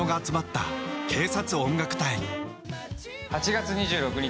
８月２６日